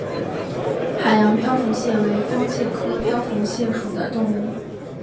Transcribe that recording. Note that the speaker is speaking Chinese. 海洋漂浮蟹为方蟹科漂浮蟹属的动物。